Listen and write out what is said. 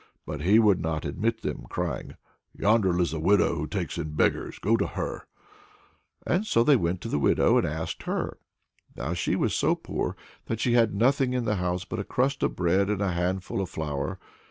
But he would not admit them, crying: "Yonder lives a widow who takes in beggars; go to her." So they went to the widow, and asked her. Now she was so poor that she had nothing in the house but a crust of bread and a handful of flour.